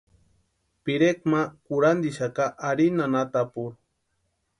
Pirekwa ma kurhantixaka arini anhatapurhu.